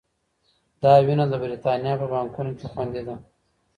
دا وینه د بریتانیا په بانکونو کې خوندي ده.